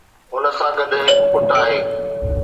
هن سان گڏ هڪ پٽ آهي.